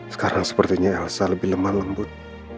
sekarang sepertinya elsa lebih lemah lembut